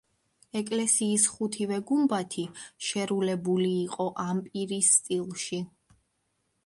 ეკლესიის ხუთივე გუმბათი შერულებული იყო ამპირის სტილში.